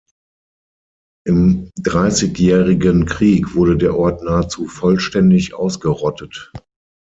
Im Dreißigjährigen Krieg wurde der Ort nahezu vollständig ausgerottet.